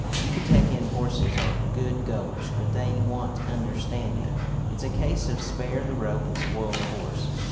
Yucatecan horses are good goers, but they want understanding. It's a case of spare the rope and spoil the horse.